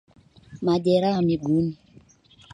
Majeraha miguuni